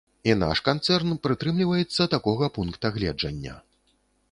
І наш канцэрн прытрымліваецца такога пункта гледжання.